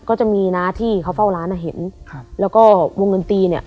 ก็จะมีน้าที่เขาเฝ้าร้านอ่ะเห็นครับแล้วก็วงดนตรีเนี่ย